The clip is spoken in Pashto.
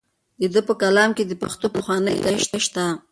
د ده په کلام کې د پښتو پخوانۍ کلمې شته.